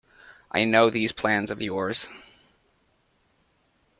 I know these plans of yours.